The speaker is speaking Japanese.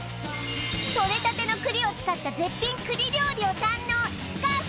とれたての栗を使った絶品栗料理を堪能しかし！